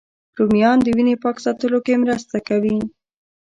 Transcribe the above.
رومیان د وینې پاک ساتلو کې مرسته کوي